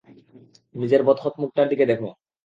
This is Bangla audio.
নিজের বদখত মুখটার দিকে দেখ।